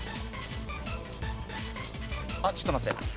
ちょっと待って。